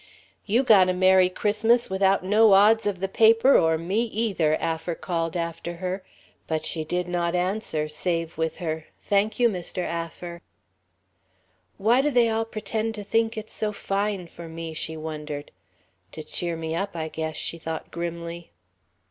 "You got a merry Christmas without no odds of the paper or me either," Affer called after her; but she did not answer save with her "Thank you, Mr. Affer." "Why do they all pretend to think it's so fine for me?" she wondered. "To cheer me up, I guess," she thought grimly.